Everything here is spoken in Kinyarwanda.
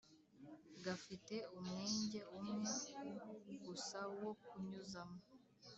gafite umwenge umwe gusa wo kunyuzamo